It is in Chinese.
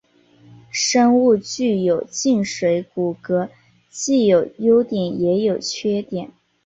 生物具有静水骨骼既有优点也有缺点。